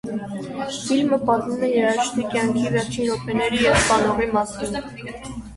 Ֆիլմը պատմում է երաժշտի կյանքի վերջին րոպեների և սպանողի մասին։